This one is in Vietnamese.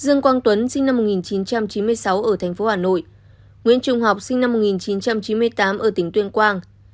dương quang tuấn sinh năm một nghìn chín trăm chín mươi sáu ở thành phố hà nội nguyễn trung học sinh năm một nghìn chín trăm chín mươi tám ở tỉnh tuyên quang